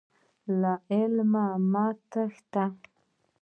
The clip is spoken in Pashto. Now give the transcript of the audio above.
له علمه مه تښته.